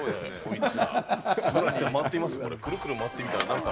くるくる回ってみたら。